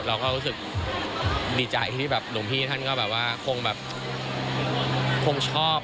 เราก็รู้สึกดีใจที่แบบหลวงพี่ท่านก็แบบว่าคงแบบคงชอบ